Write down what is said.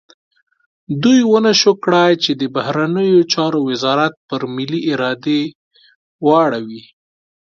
دوی ونه شو کړای چې د بهرنیو چارو وزارت پر ملي ارادې واړوي.